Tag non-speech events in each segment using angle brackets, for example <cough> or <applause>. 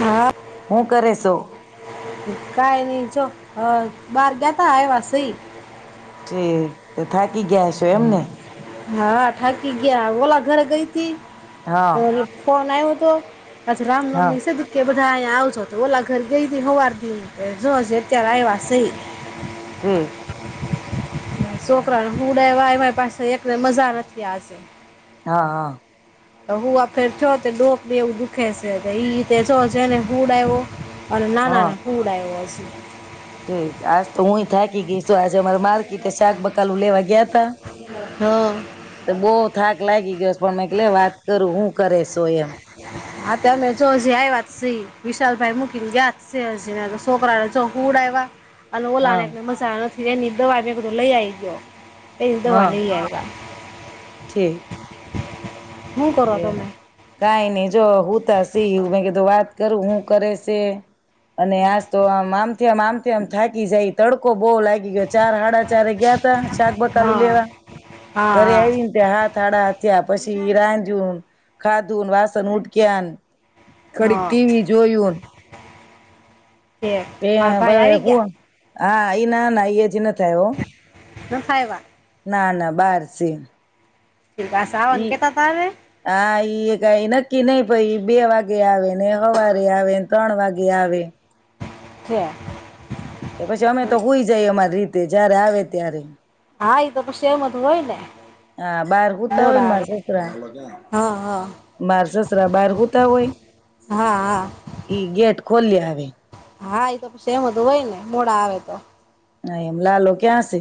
હા હું કરે સૌ? કાય નહી જો. બાર ગ્યાતા આવ્યા સીએ. ઠીક! તો થાકી ગયા છો એમને? હા ઠાકી ગયા ઓલા ઘરે ગઈ તી હા ફોન આવ્યો. <unintelligible> <inaudible> તૌ આજ હા રામનવમી છે ને તે વળ. <unintelligible> <unintelligible> બધાય આવજો તો ઓલા ઘર ગઈ તી હોવારથી જો જે અત્યારે આવ્યા સહી. હમ છોકરા ને હુંવડાવ્યા આવ્યા પાસે એક ને મઝા નથી આજ. હા હ. હું આ ફેર થ્યો તે ડોકને એવું દુખે છે. ઈ અ તે જો છેને હુડ આવ્યો. અને ના ના હા ના હું ઉડાયસ. ઠીક છે. આજ તો હું થાકી ગઈસું. આજ અમારા માર્કેટે શાક બકાલું લેવા ગયા હા <unintelligible> થાક લાગી ગયો છ. એમ અત્યારે જો હજી આયવા જ સી. વિશાલભાઈ મૂકીને ગયા છે હજી છોકરાઓ ચ હુવડાયવા અને હા ઓલાને <inaudible> આવ્યો નથી એ નિદો આજે બધુ લઈ આવી. હા <unintelligible> ઠીક શું કરો એ તમે કાય નહી જો. હુંતા સી મે કીધું તો વાત કરું હું કરે સે અને આજ તો આમ આમ મ આમ તેમ આમ તેમ થાકી જાય તડકો બહુ લાગી ગયો ચાર હાડા ચારે ગયા તા શાક બકાલું હા લેવા ઘરે હા હા આવીને ત્યાં હાત હાડા હાત થયા પછી. <inaudible> જો ખાધુન વાસણ ઉટકયાન ઘડીક હા ટીવી જોયું. તે મારા ત્યાર ભાઈ ભાવે આવી ગયા હુવા હા એ ના ના ઈ જ નથી થયો. નથ આઈવા. ના ના બારશે એમ <inaudible> આવાન કહેવાતા ને ઈએ કાઈ નક્કી નઈ ભઈ ઈ બે વાગે આવે ને હવારે આવે, ત્રણ વાગે આવે. ઠે ને પછી અમે તો હૂઈ જાઈ અમારી રીત તે જયારે આવે ત્યારે. હા એ તો <unintelligible> હોય ને. હા બહાર કૂતા હોય મોડા ને મા આવે તો સસરા હા હા બાર સસરા બહાર હુતા હોય હા હા ઈ ગેટ ખોલ્યા આવે. હા એ તો સેમ હતું હોય ને મોડા આવે તો હા એમ લાલો ક્યાં છે.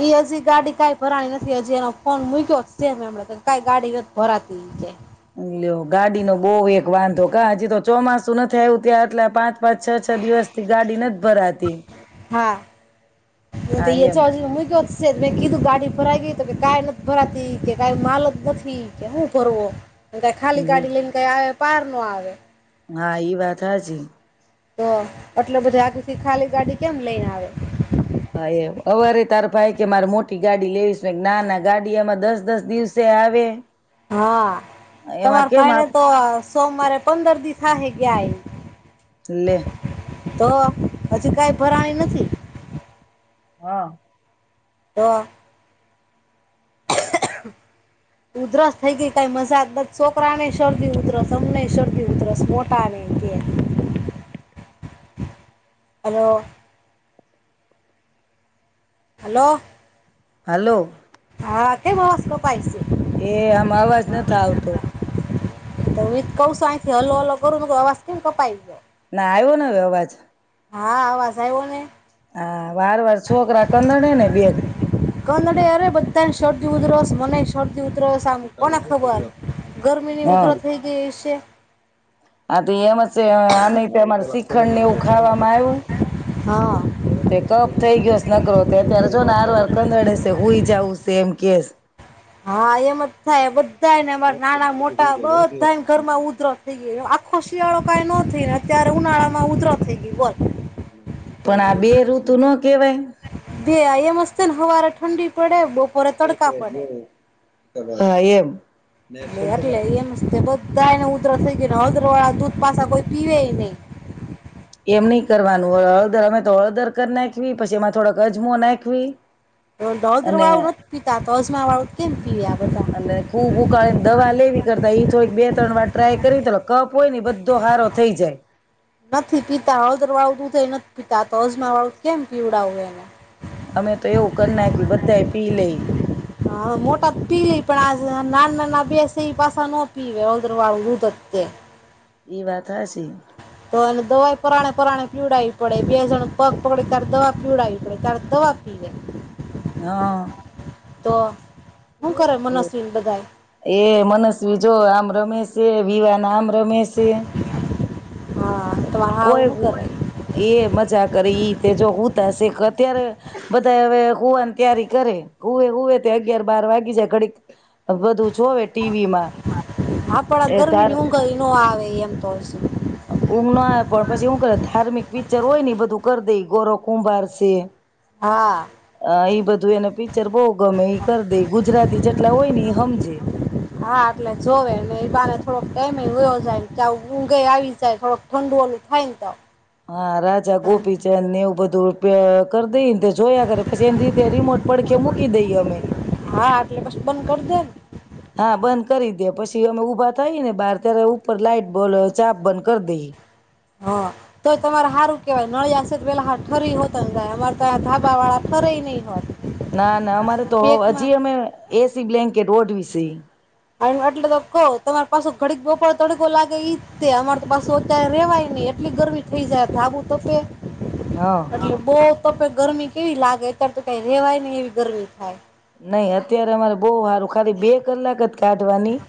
એ હજી ગાડી કાઈ ભરાની નથી હજી એનો ફોન મુક્યો છેમ એમ કાઈ ગાડી ભરાતી છે. ગાડી નો બોવ એક વાંધો કા હજી તો ચોમાસું નથી આવ્યું ત્યાં એટલા પાંચ પાચ છ છ દિવસ થી ગાડી નથી ભરાતી હા <inaudible> તો હા એ એમ. તો હજી મૂક્યો જ છે મેં કીધું ગાડી ભરાઈ ગઈ તો કે કઈ નથી ભરાતી કે કઈ માલ જ નથી કે હું ફરવો. ખાલી ગાડી લઈને આયો. પારનો આવે. હા ઈ વાત હાચી. તો એટલે બધા આથી ખાલી ગાડી કેમ લઈને આવે. હા એ હવારે તાર ભાઈ કે મારે મોટી ગાડી લેવીશ નાના ગાડી એમાં દસ દસ દિવસે આવે હા તમાર એમાં કેમ ભાઈ ને આપ તો સોમવારે પંદર દિવસ થાહે ગયા ઈ લે તો હજી કઈ ભરાણી નથી. હા. તો ઉધરસ થઈ ગઈ કઈ મજાજ નથી છોકરા ને શરદી ઉધરસ અમને શરદી ઉધરસ મોટા ને કે હ. હલો. હલો. હા કેમ અવાજ કપાય છે. એ આમ અવાજ નથ આવતો. તો કવશું હલો હલો કરું ને આવાસ કેમ કપાય છે. ના આવ્યો ન હવે અવાજ. હા અવાજ આવ્યો ને. હા. વાર વાર છોકરા ટંનન ને બે કનડ અરે બધાને શરદી ઉઘરસ મને શરદી ઉતરસ સા કોને ખબર ગરમીની વાર ઉતરસ થઈ ગઈ હશે. હા તો એમ છે આને એમાર શ્રીખંડ ને એવું ખાવામાં આવ્યું હા તે કપ થઇ ગયો નકરો અત્યારે જો ને આર વાર કંદડે છે હું જવું છે એમ કેશ હા એમ જ થાય બધાને અમા નાના મોટા બધાને ઘર માં ઉધરો થઈ ગય આખો શિયાળો કઈ ન થઈને અત્યારે ઉનાળા માં ઉધર થઈ. ગઈ બોલ પણ આ બે ઋતુ નુ કેવાય. આયે મસ્તને હવારે ઠંડી પડે બપોર તડકા પડે હા એમ. ને એટલે એમસ્ ને બધાયને ઉધરસ થઈ ગઈ. ને હળદરવાળા દૂધ પાસા કોઈ પીવેય નહીં. એમ નહીં કરવાનું, હ હળદર અમે તો હળદર કર નાખવી, પછી એમાં થોડોક અજમો નાખયવી. હળદર વાળું નથી પીતા તો અજમા વાળું કેમ પીવે આ બધા અને-અને ખુબ ઉકાળીને દવા લેવી કરતા ઈ થોડીક બે ત્રણ વાટ ટ્રાય કરી <unintelligible> કફ હોય ને ઈ બધો હારો થઈ જાય. નથી પીતા હળદર વાળું દૂધ એય નથ પીતા, તો અજમા વાળું ત કેમ પીવડાવું એને? અમે તો એવું કર નાયખું બધાય પી લઈ. હા મોટા ત પી લઈ પણ આ નાના-નાના બે સે ઈ પાસા ન પીવે હળદર વાળું દૂધ જ તે. ઈ વાત હાચી. તો એને દવાય પરાણે-પરાણે પીવડાવી પડે, બે જણ પગ પકડે ત્યારે દવા પીવડાવી પડે ત્યારે ત દવા પીવે. હા. તો શું કરે મનસ્વીન બધાય એ એ મનસ્વી જો આમ રમેશે વિયાના હામે રમેશે હા તમારે હાવ કોઈ હું કરે એ મજા કરી ઈ તે જો હુત શખ અત્યારે બધા હવે હુવાની તૈારી કરે હુવે હુવે તે અગિયાર બાર વાગી જાય ઘડીક બધું. જોવે ટીવીમાં <inaudible> આપડા એ ધાર ગરમીની ઊંઘ ઇનોઆવા આવે એમ તોય. ઊંઘ ના પણ પછી હુ કરે ધાર્મિક. પિક્ચર હોય ને બધું કરી દઈ ગૌરવ કુંભાર છે. હા હ ઈ બધું એને પિક્ચર બહુ ગમે એ કરી દે ગુજરાતી જેટલા હોય ને એ સમજે. ટાઇમે વયો જાય ને ત ઊંઘય આવી જાય થોડુંક ઠંડુ ઓળું થાય ને તાવ. હા રાજા ગોપીચંદ ને એવું બધું દો રૂપિયા કર દઈ. જોયા કરે પછી એની રીતે રિમોટ પડખે મૂકી દઈએ અમે હા એટલે પછી બંધ કરી દે ને હા બંધ કરી દે પછી. અમે ઉભા થઈ ને બહાર ત્યારે ઉપર લાઈટ બો ચાપ બંધ કરી દઈ. હા તોય તમારે સારું કેવાય નળીયાશે તો પેલા હ ઠરી હોતને જાય અમારે તો ધાબા વાળા ઠરેય નહીં હોત. ના ના અમારે તો ટેકમાં હજી અમે એસી બ્લાન્કેટ ઓઢવી સી. એટલે તો કઉ તમાર પાછો ઘડી બપોળ તડકો લાગે ઈ જ અમાર તો પાછું અત્યારે રેવાય નહી એટલી ગરમી થઈ જાય ધાબુ તપે. હા <unintelligible> તો પણ ગરમી કેવી લાગે અત્યારે તો કઈ ર રહેવાય ની એવી ગરમી થાય. નહી અત્યારે અમારે બહ સારું ખાલી બે કલાક કાઢવાની,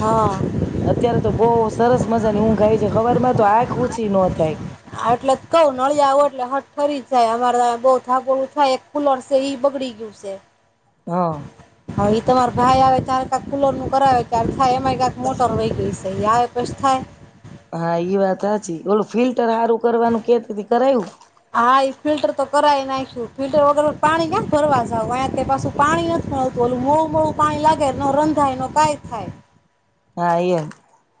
હા અત્યારે તો બહુ સરસ મજા ની ઊંઘાય છે ખબર માં તો આંખ ઉછ નો થાય. એટલે જ કઉ નળી આવું એટલે હઠ ફરી. અમારા બહુ થાકો થાય એક ખુલર છે બગડી ગયું છે. હા હ એ તો વાર ભાઈ આવે તારે ક કુલર નું કરાવે કે ઠાય એ માકા મોટર મૂકી ગઈ છે. પસ્થાય. હા ઈ વાત હચી ઓલો ફીલ ટર સારું કરવાનું કેતીથી કરાયું? નાખું ફિલ્ટર વગર પાણી ક્યાં ભરવા જાવ પાછું પાણી નથી મળતું ઓલું મોળું મોળું પાણી લાગે ન રંધાય ન કઈ થાય. હા એ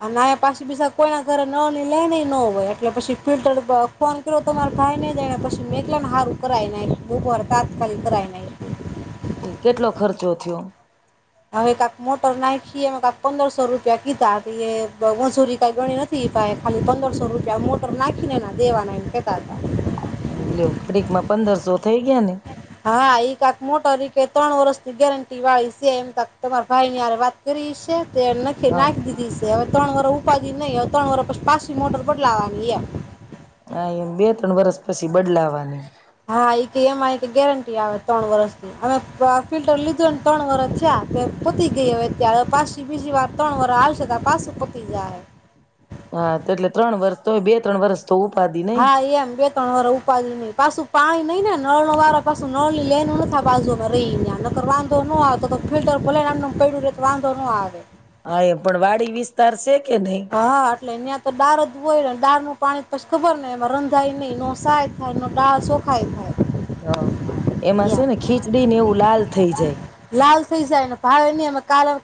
અને પાછી પીસા કોઈના ઘરે નની લે નઈ ન હોય એટલે પછી ફિલ્ટર ફોન કર તમારે ભાઈ નઈ જાય ને પછી મે એકને સારું કરાય નાખ બુવાર તાત્કાલિક કરાઈ નાયખૂ. કેટલો ખર્ચો થયો? હવે કાક મોટર નાખી કાક પંદરસો રૂપિયા કીતા એસોરી ક ગણી નથી એ ખાલી પંદરસો રૂપિયા મોટર નાખીને દેવાના એ કેતા. હતા લડીકમાં પંદરસો. થઈ ગયા ને હા એક આક મોટો કે ત્રણ વર્ષની ગેરંટી વાળી છે એમ ત તમારા ભાઈ નીરે વાત કરી છે. તે નખી હા નાખી દીધી છે અવે ત્રણ વર ઉપાજ નહીં ત્રણ વર પછી પાછી મોટર બદલાવાની એમ. આ બે ત્રણ વરસ પછી બદલાવાની. હા એક એમાં એક ગેરંટી આવે ત્રણ વરષની અમે ફિલ્ટર લીધુંને ત્રણ વરષ થયા તે પતી ગઈ હવે અત્યારે પાછી બીજી વાર ત્રણ વરષ આવશે ત પાછું પતી જાય હ. હા એટલે ત્રણ વર્ષ તો બે ત્રણ વર્ષ. તો ઉપાધિ નઈ હા એમ બે ત્રણ વાર ઉપાડી ન પાછું પાણી નહી ને નળ ન વાળા પાછો નળની લાઈનો નાતા બાજુમાં રહી નકર વાંધો ન આવે તો ફિલ્ટર લઈને આમ પડ્યું રે તો વાંધો ન આવે. હા એ પણ વાડી વિસ્તાર છે. કે નહી હા એટલે એં તો ડાર જ હોય ને. ડાળનું પાણી પછી ખબર નને એમાં રંધાય નહીં નોસાય થાય નો દાળ શોખાય થાય. હ, એમાં છે એમ ને ખીચડી ને એવું લાલ થઈ જાય. કાલ થઈ જાયને ભાવે નહી અમે ક કાલ ન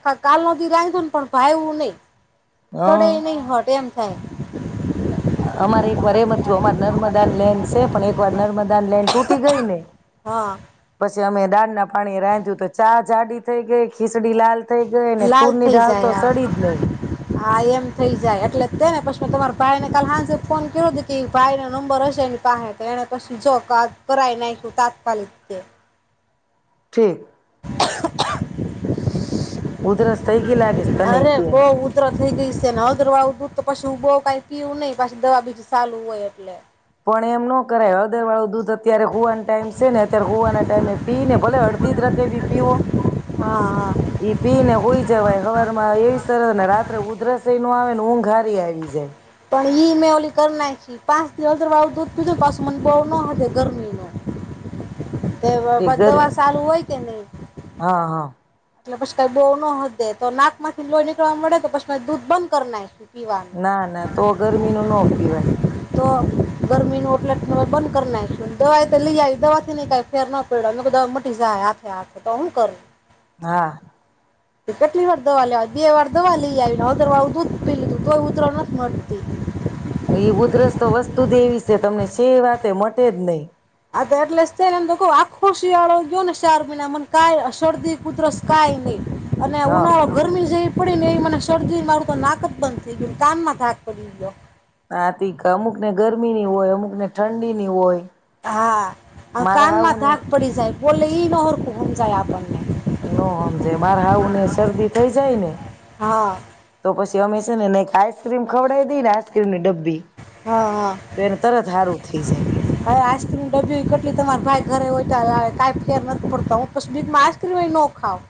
રાધો ને પણ ભાવ એવું નહી. સોડે નહી હોટ એમ. <inaudible> અ અમારે એક વાર એમ જ થયું અમાર નર્મદાની લેન સે, પણ એક વાર નર્મદાન લેન તૂટી ગઈ ને હા <unintelligible> ના પાણીએ રાંધ્યું તો ચા જાડી થઈ ગઈ, ખીસડી લાલ થઈ ગઈ ને લાલ તુરની થઈ દાળ તો જાય. સડી જ હા, નહી હા એમ થઈ જાય એટલે તો હે પછી મેં તમારા ભાઈને કાલે હાંજે ફોન કર્યો તો ઈ કે ઈ ભાઈ ના નંબર હશે એની પાહે, તો એને પછી જો કા કરાઈ નાખ તાત્કાલિક તે ઠીક ઉધરસ થઈ ગઈ લાગ અરે, બહુ ઉધરહ થઈ ગઈ સે, ને હળદરવાળું દૂધ તો પછી હું બઉ કાઈ પીવું નહીઁ, પાછી દવા બીજી ચાલું હોય એટલે. પણ એમ નો કરાય હળદર વાળું દૂધ જ અત્યારે હુવાનો ટાઈમ સે ને અત્યારે હુવાના ટાઈમે પી ને ભલે અડધી જ રકેબી પીવો, હા હા ઈ પીને હૂઈ જવાય હવારમાં એવી સરહ ને રાત્રે ઉધરસ એવ નો આવે ને, ઊંઘ હારી આવી જાય. પણ ઈ મે ઓલી કર નાયખી, પાંચદી હળદર વાળું દૂધ પીધું ને પાછું મન બોવ નો હદે ગરમી નો. તે વ દવા ચાલુ હોય કે નહી. હા હા એટલે પછી કાઈ બહુ ન હદે, તો નાક માંથી લોહી નીકળવા મડે તો પછી મે દૂધ બંધ કર નાયખું. ના-ના તો ગરમીનું નું નો પીવાય. તો ગરમી નું એટલે જ તો મે બંધ કરી નાયખું, ને દવા તો લી આયવી, દવાથીને કાઈ ફેર ના પડયો. મેં કીધું હવે મટી જાયે હાથે-હાથે. તો હું કરું? હા. કે કેટલી વાર દવા લેવા બે વાર દવા લઈ આયવીને, હળદરવાળું દૂધ પી લીધું તોઈ ઉધરહ નથ મટતી. હવે ઈ ઉધરસ તો વસ્તુ જ એવી છે તમને સે વાતે મટે જ નહી. આ તો એટલે જ તે ને <unintelligible> આખો શિયાળો ગયો ને સાર મહિના, મન કાઈ શરદી કે ઉધરસ કાઈ નહીં. અને હા ઉનાળો ગરમી જે પડીને એ મને શરદી મારું તો નાક જ બંધ થઈ ગયું, કાનમાં થાક પડી ગયો. નાથી અમુક ને ગરમી ની હોય, અમુક ને ઠંડી ની હોય. હા. મારા હાહુ કાનમાં ને ધાક પડી જાય બોલે ઈ ન હરકું હમજાય આપણ ન સમજે. માર હાહુને શરદી થઈ જાય, ને હા તો પછી તેઅમે છે ને એક આઈસક્રીમ ખવડાવી દી ને આઈસક્રીમ ની ડબ્બી હા તો હા. એને તરત હારું થઈ જાય હવે આઈસ્ક્રીમ ડબી કેટલી તમારી ભાઈ ઘરે હોતા આવે કઈ ફેર નથ પડતા. હું પસ બીક માં આઈસ્ક્રીમ ન ખાઉ.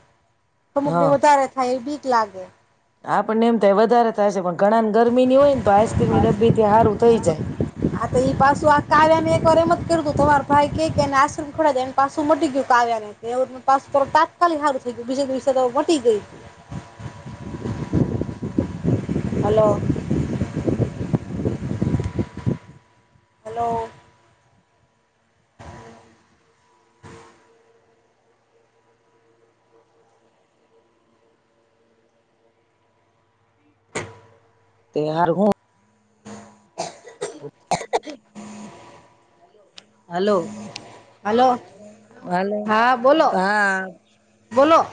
અમુક ને હા વધારે થાય એ બીક લાગે. <unintelligible> આપણને એમ થાય વધારે થાય છે પણ ઘણા ને ગરમીની હોય ને, તો આઈસક્રીમની ડબ્બી થી સારું થઈ જાય. આ તમાર ભાઈ કેક એને આઈસક્રીમ ખવડાવી દે. એન પાછું મટી ગયું કાવ્યાને. એવું તો પાછું તાત્કાલિક સારું થઈ ગયું. બીજા દિવસે તો મટી ગયું. હલો. હલો! તે હાર હું હલો! હલો! હલો હા, બોલો. હા બોલો.